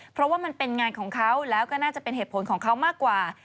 เพราะว่ามันเป็นงานของเขาแล้วก็น่าจะเป็นเหตุผลของเขามากกว่า